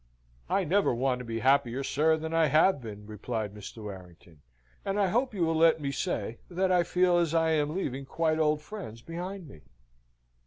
"I never want to be happier, sir, than I have been," replied Mr. Warrington; "and I hope you will let me say, that I feel as if I am leaving quite old friends behind me."